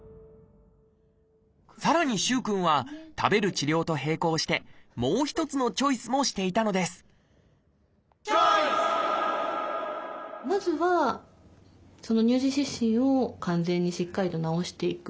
さらに萩くんは食べる治療と並行してもう一つのチョイスもしていたのですまずは乳児湿疹を完全にしっかりと治していく。